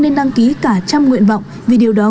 nên đăng ký cả trăm nguyện vọng vì điều đó